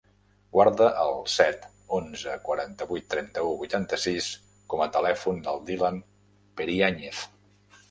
Guarda el set, onze, quaranta-vuit, trenta-u, vuitanta-sis com a telèfon del Dylan Periañez.